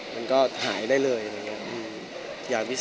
มันก็หายได้เลยอย่างเงี้ยอย่างพิเศษ